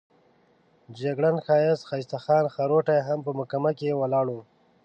جګړن ښایسته خان خروټی هم په محکمه کې ولاړ وو.